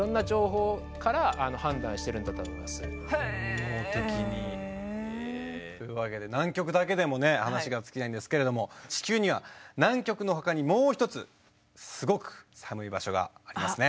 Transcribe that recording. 本能的に。というわけで南極だけでもね話が尽きないんですけれども地球には南極のほかにもう一つすごく寒い場所がありますね。